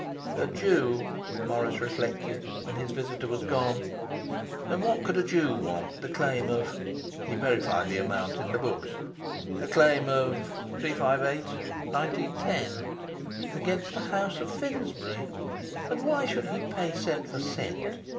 'A Jew,' Morris reflected, when his visitor was gone. And what could a Jew want with a claim of he verified the amount in the books a claim of three five eight, nineteen, ten, against the house of Finsbury? And why should he pay cent. for cent.?